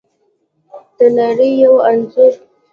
د نړۍ یو انځور